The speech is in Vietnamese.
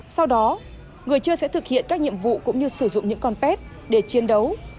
sau đó người chơi sẽ thực hiện các nhiệm vụ cũng như sử dụng những con pet để chiến đấu